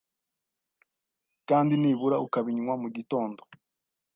kandi nibura ukabinywa mugitondo